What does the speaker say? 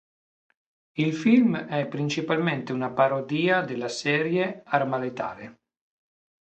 Il film è principalmente una parodia della serie "Arma letale".